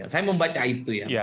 saya membaca itu ya